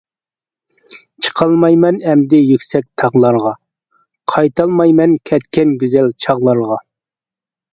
چىقالمايمەن ئەمدى يۈكسەك تاغلارغا، قايتالمايمەن كەتكەن گۈزەل چاغلارغا.